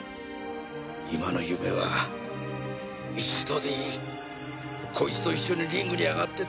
今の夢は一度でいいこいつと一緒にリングに上がって闘いたい。